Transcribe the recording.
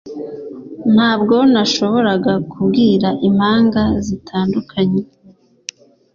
Ntabwo nashoboraga kubwira impanga zitandukanye